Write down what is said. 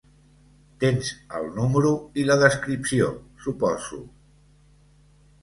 Tens el número i la descripció, suposo.